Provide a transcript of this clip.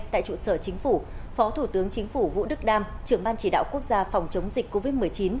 tại trụ sở chính phủ phó thủ tướng chính phủ vũ đức đam trưởng ban chỉ đạo quốc gia phòng chống dịch covid một mươi chín